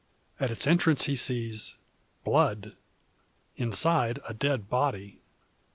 At its entrance he sees blood inside a dead body!